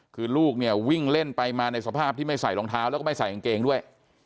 คือลูกเนี่ยวิ่งเล่นไปมาในสภาพที่ไม่ใส่รองเท้าแล้วก็ไม่ใส่กางเกงด้วย